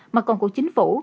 mà còn của chính phủ